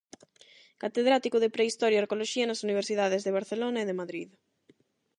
Catedrático de Prehistoria e Arqueoloxía nas Universidades de Barcelona e de Madrid.